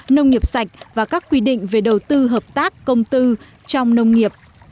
nông nghiệp sạch và các quy định về đầu tư hợp tác công tư trong nông nghiệp